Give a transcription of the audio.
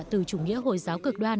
từ chủ nghĩa hồi giáo cực đoan